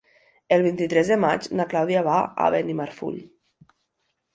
El vint-i-tres de maig na Clàudia va a Benimarfull.